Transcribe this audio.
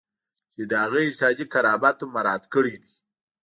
چې د هغه انساني کرامت مو مراعات کړی دی.